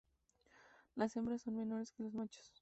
Las hembras son menores que los machos.